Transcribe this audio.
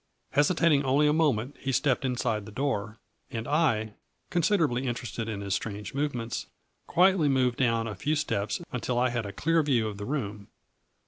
Hesitating only a moment, he stepped inside the door, and I, considerably interested in his strange movements, quietly moved down a few steps until I had a clear view of the room.